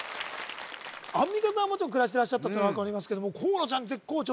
アンミカさんはもちろん暮らしてらしたってのは分かりますけども河野ちゃん絶好調